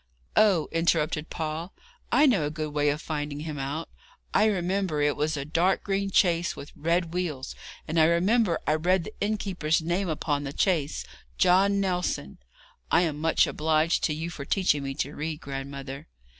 'Oh!' interrupted Paul, 'I know a good way of finding him out. I remember it was a dark green chaise with red wheels, and I remember I read the innkeeper's name upon the chaise, "John Nelson." (I am much obliged to you for teaching me to read, grandmother.)